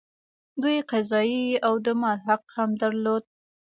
دوی قضايي او د مال حق هم درلود.